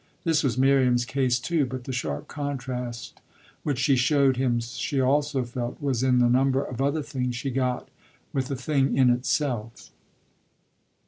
This was Miriam's case too, but the sharp contrast, which she showed him she also felt, was in the number of other things she got with the thing in itself.